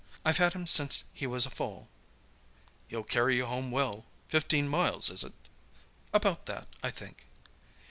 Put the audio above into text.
"I've had him since he was a foal." "He'll carry you home well. Fifteen miles, is it?" "About that, I think."